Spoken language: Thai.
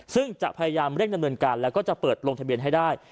ซึ่งจะพยายามเร่งดำเนินการแล้วก็จะเปิดลงทะเบียนให้ได้